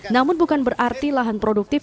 namun bukan berarti lahan produktif